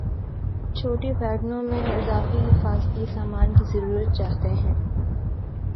چھوٹی ویگنوں میں اضافی حفاظتی سامان کی ضرورت چاہتے ہیں